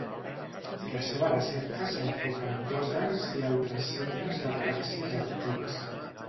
La seva recerca s'enfoca en quàsars i altres centres de galàxies actives.